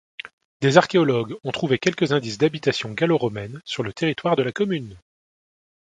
Des archéologues ont trouvé quelques indices d'habitations gallo-romaines sur le territoire de la commune.